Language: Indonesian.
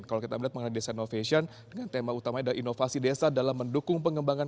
kalau kita melihat mengenai desa innovation dengan tema utamanya adalah inovasi desa dalam mendukung pengembangan